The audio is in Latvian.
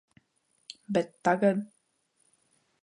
Bet tagad...